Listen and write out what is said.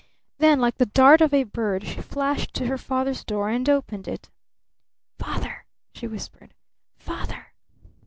Then like the dart of a bird, she flashed to her father's door and opened it. "Father!" she whispered. "Father!"